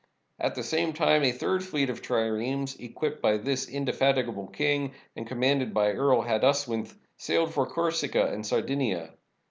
At the same time a third fleet of triremes, equipped by this indefatigable king and commanded by Earl Haduswinth, sailed for Corsica and Sardinia.